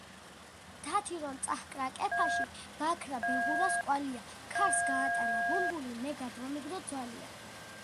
თათი რომ წაჰკრა კეფაში, გაქრა ბეღურას კვალია, ქარს გაატანა ბუმბული, მე გადმომიგდო ძვალია.